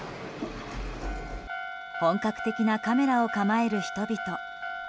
本格的なカメラを構える人々。